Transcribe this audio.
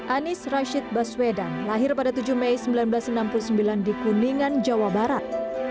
anies rashid baswedan lahir pada tujuh mei seribu sembilan ratus enam puluh sembilan di kuningan jawa barat